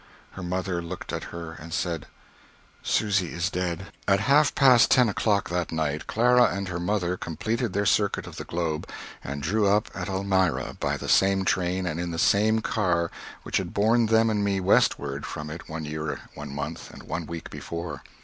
Her mother looked at her and said: "Susy is dead." At half past ten o'clock that night, Clara and her mother completed their circuit of the globe, and drew up at Elmira by the same train and in the same car which had borne them and me Westward from it one year, one month, and one week before.